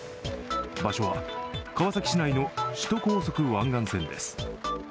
場所は川崎市内の首都高速湾岸線です。